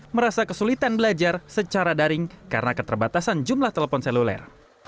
merasa kesulitan belajar secara daring karena keterbatasan jumlah telepon seluler